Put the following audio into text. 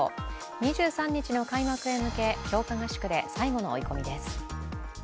２３日の開幕へ向け、強化合宿で最後の追い込みです。